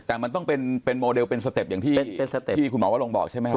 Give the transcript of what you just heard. แต่มันต้องเป็นโมเดลเป็นสเต็ปอย่างที่คุณหมอวรงบอกใช่ไหมครับ